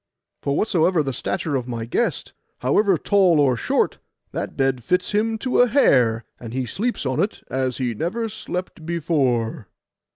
For whatsoever the stature of my guest, however tall or short, that bed fits him to a hair, and he sleeps on it as he never slept before.